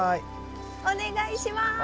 お願いします。